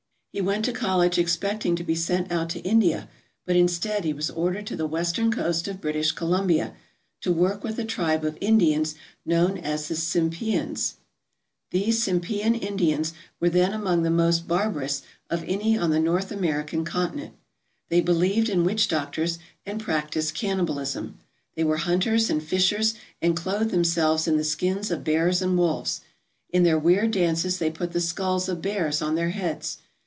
He went to college expecting to be sent out to India, but instead he was ordered to the western coast of British Columbia to work with a tribe of Indians known as the Tsimpeans. These Tsimpean Indians were then among the most barbarous of any on the North American continent. They believed in witch doctors and practised cannibalism. They were hunters and fishers and clothed themselves in the skins of bears and wolves. In their weird dances they put the skulls of bears on their heads.